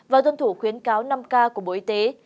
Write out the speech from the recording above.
và tuân thủ khuyến cáo năm k của bộ y tế